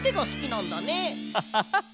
ハハハハ。